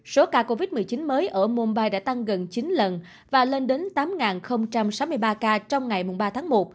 số ca covid một mươi chín mới ở mumbai đã tăng gần chín lần và lên đến tám sáu mươi ba ca trong ngày ba tháng một